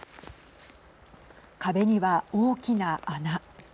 壁には大きな穴。